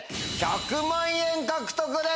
１００万円獲得です！